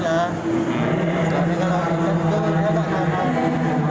kalau di jaka baring itu tidak ada